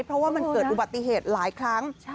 เพราะว่ามันเกิดอุบัติเหตุหลายครั้ง